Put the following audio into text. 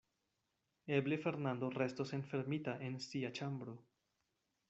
Eble Fernando restos enfermita en sia ĉambro.